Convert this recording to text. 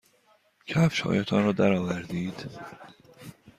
کفشهایتان را درآورید.